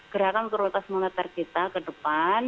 gerakan kualitas monitor kita ke depan